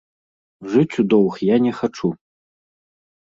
Жыць у доўг я не хачу.